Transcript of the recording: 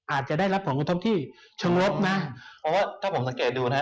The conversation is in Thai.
อาจจะได้รับผลกระทบที่ชงลดนะเพราะว่าถ้าผมสังเกตดูนะ